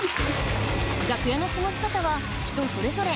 楽屋の過ごし方は人それぞれ。